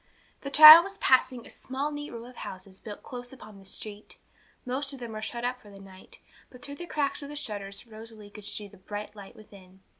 The child was passing a small neat row of houses built close upon the street. Most of them were shut up for the night, but through the cracks of the shutters Rosalie could see the bright light within.